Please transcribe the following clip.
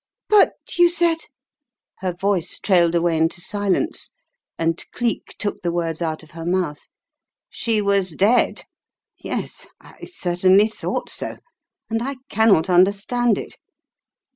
" But you said " her voice trailed away into silence, and Cleek took the words out of her mouth. "She was dead! Yes, I certainly thought so, and I cannot understand it.